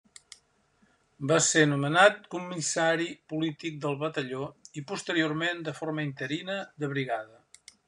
Va ser nomenat comissari polític del Batalló i posteriorment de forma interina de Brigada.